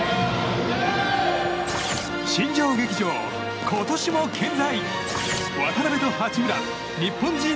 新庄劇場、今年も健在！